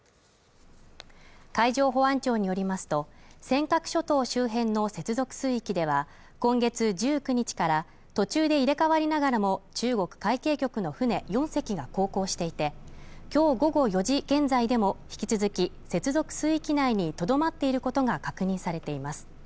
海上保安庁によりますと尖閣諸島周辺の接続水域では今月１９日から途中で入れ代わりながらも中国海警局の船４隻が航行していて今日午後４時現在でも引き続き接続水域内にとどまっていることが確認されています。